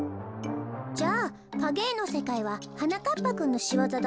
じゃあかげえのせかいははなかっぱくんのしわざだったの？